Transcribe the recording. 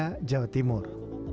surabaya jawa timur